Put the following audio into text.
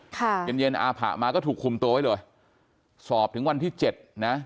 เย็นเย็นอาผะมาก็ถูกคุมตัวไว้เลยสอบถึงวันที่เจ็ดนะ